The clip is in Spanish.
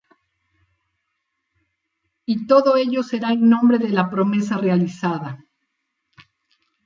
Y todo ello será en nombre de la promesa realizada.